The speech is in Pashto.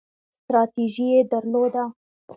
ستراتیژي یې درلوده.